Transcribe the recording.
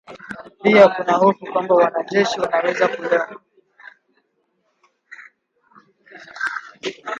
Pia kuna hofu kwamba wanajeshi wanaweza kulengwa